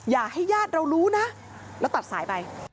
อย่าให้ญาติเรารู้นะแล้วตัดสายไป